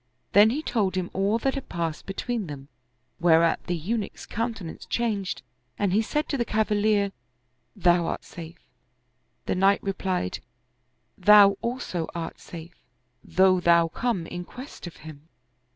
Then he told him all that had passed between them, whereat the Eunuch's countenance changed and he said to the cavalier " Thou art safe !" The knight replied, " Thou also art safe though thou come in quest of him."